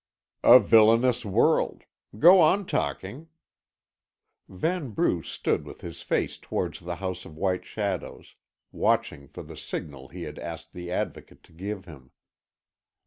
"A villainous world! Go on talking." Vanbrugh stood with his face towards the House of White Shadows, watching for the signal he had asked the Advocate to give him.